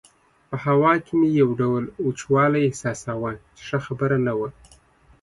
په هوا کې مې یو ډول وچوالی احساساوه چې ښه خبره نه وه.